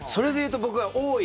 僕はおい！